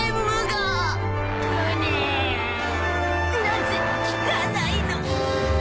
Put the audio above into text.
なぜ効かないの。